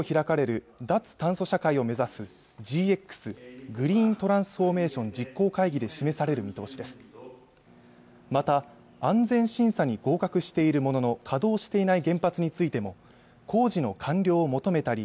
きょう午後開かれる脱炭素社会を目指すＧＸ＝グリーントランスフォーメーション実行会議で示される見通しですまた安全審査に合格しているものの稼働していない原発についても工事の完了を求めたり